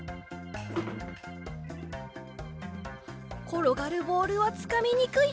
ころがるボールはつかみにくい。